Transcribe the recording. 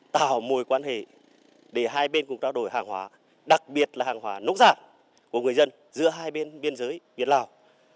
tạo mùi quan hệ để hai bên cùng trao đổi hàng hóa đặc biệt là hàng hóa nốt giảm của người dân giữa hai bên biên giới việt lào